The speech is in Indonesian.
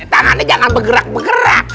tangannya jangan bergerak bergerak